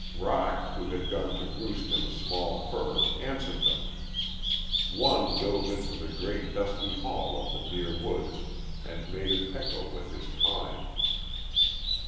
Roc, who had gone to roost in a small fir, answered them. One dove into the great, dusky hall of the near woods and made it echo with his cawing.